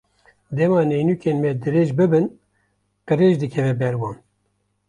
Dema neynûkên me dirêj bibin, qirêj dikeve ber wan.